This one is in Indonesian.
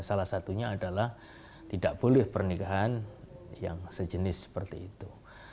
salah satunya adalah tidak boleh pernikahan yang sejenis seperti itu